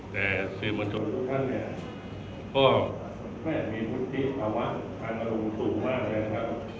แต่สื่อมวลชนทุกท่านเนี่ยก็ไม่มีวุฒิภาวะการอารมณ์สูงมากนะครับ